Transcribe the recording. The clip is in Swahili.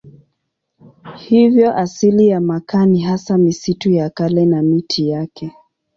Hivyo asili ya makaa ni hasa misitu ya kale na miti yake.